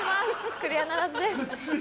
クリアならずです。